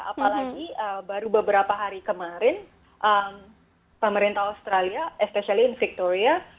apalagi baru beberapa hari kemarin pemerintah australia expecially in victoria